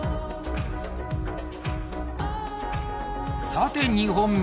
さて２本目。